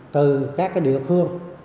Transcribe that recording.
từ các địa phương